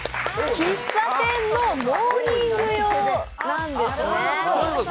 喫茶店のモーニング用なんですね。